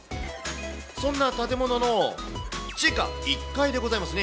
そんな建物の地下１階でございますね、